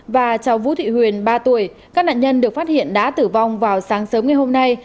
và cháu vũ thị huyền ba tuổi các nạn nhân được phát hiện đã tử vong vào sáng sớm ngày hôm nay